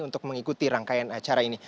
untuk mengikuti rangkaian acara ini